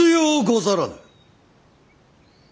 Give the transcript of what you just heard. ござらぬ！